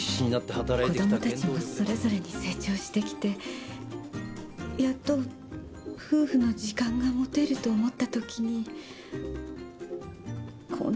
子供たちもそれぞれに成長してきてやっと夫婦の時間が持てると思ったときに今度は女です。